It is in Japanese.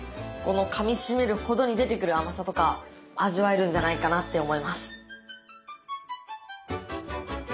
このかみしめるほどに出てくる甘さとか味わえるんじゃないかなって思います。